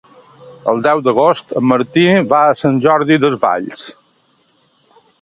El deu d'agost en Martí va a Sant Jordi Desvalls.